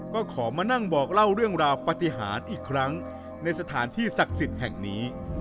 ก็ขอมานั่งบอกเล่าเรื่องราวปฏิหารอีกครั้งในสถานที่ศักดิ์สิทธิ์แห่งนี้